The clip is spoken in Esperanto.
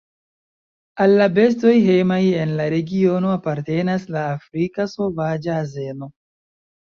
Al la bestoj hejmaj en la regiono apartenas la Afrika sovaĝa azeno.